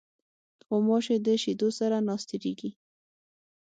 غوماشې د شیدو سره ناستېږي.